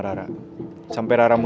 ntar lo juga tau